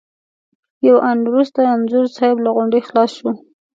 یو آن وروسته انځور صاحب له غونډې خلاص شو.